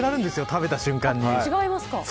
食べた瞬間に。